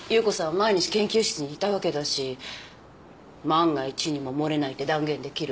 毎日研究室にいたわけだし万が一にも漏れないって断言できる？